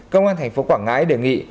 công an thành phố quảng ngãi đề nghị